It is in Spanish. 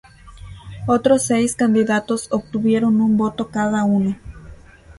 Otros seis candidatos obtuvieron un voto cada uno.